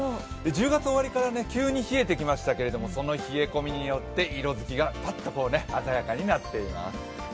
１０月終わりから急に冷えてきましたけれどもその冷え込みによって色づきがパッと鮮やかになっています。